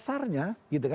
nah yang di ktk